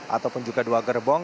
ataupun juga dua gerbong